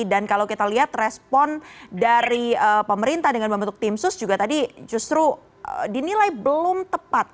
dan kalau kita lihat respon dari pemerintah dengan membentuk tim sus juga tadi justru dinilai belum tepat